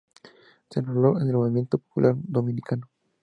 Se enroló en el Movimiento Popular Dominicano.